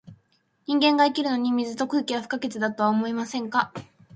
人間が生きるのに、水と空気は不可欠だとは思いませんか？